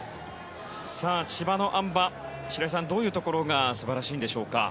千葉のあん馬、白井さんどういうところが素晴らしいんでしょうか？